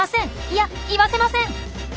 いや言わせません！